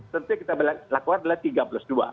tentunya kita lakukan adalah tiga puluh dua